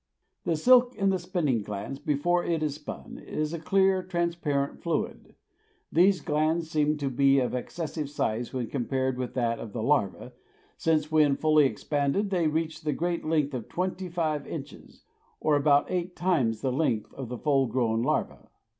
The silk in the spinning glands before it is spun is a clear, transparent fluid. These glands seem to be of excessive size when compared with that of the larva, since, when fully expanded, they reach the great length of twenty five inches, or about eight times the length of the full grown larva.